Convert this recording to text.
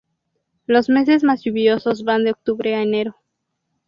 Los meses más lluviosos van de octubre a enero.